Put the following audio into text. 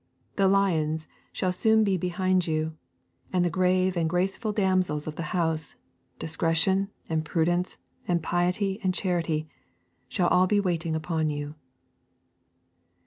The lions shall soon be behind you, and the grave and graceful damsels of the House Discretion and Prudence and Piety and Charity shall all be waiting upon you.